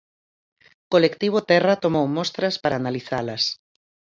Colectivo Terra tomou mostras para analizalas.